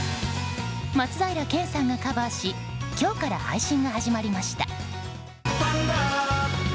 松平健さんがカバーし今日から配信が始まりました。